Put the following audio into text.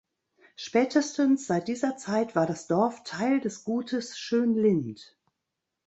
Spätestens seit dieser Zeit war das Dorf Teil des Gutes Schönlind.